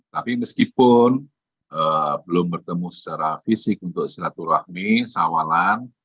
tapi meskipun belum bertemu secara fisik untuk silaturahmi sawalan